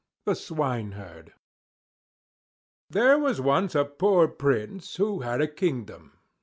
THE SWINEHERD There was once a poor Prince, who had a kingdom.